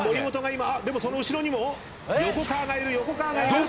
今でもその後ろにも横川がいる横川がいる。